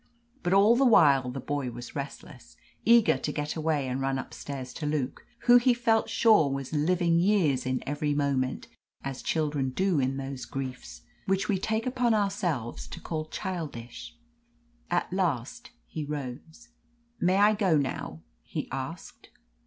But all the while the boy was restless, eager to get away and run upstairs to Luke, who he felt sure was living years in every moment, as children do in those griefs which we take upon ourselves to call childish. At last he rose. "May I go now?" he asked.